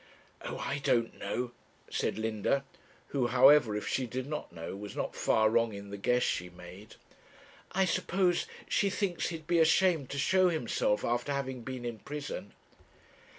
'Oh! I don't know,' said Linda; who, however, if she did not know, was not far wrong in the guess she made. 'I suppose she thinks he'd be ashamed to show himself after having been in prison.'